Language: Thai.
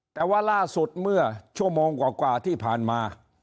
แต่ว่าล่าสุดเมื่อชั่วโมงกว่าที่ผ่านมา